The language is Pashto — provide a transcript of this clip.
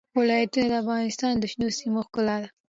ولایتونه د افغانستان د شنو سیمو ښکلا ده.